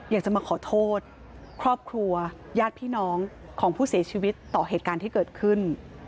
อยากจะมาขอโทษครอบครัวญาติพี่น้องของผู้เสียชีวิตต่อเหตุการณ์ที่เกิดขึ้น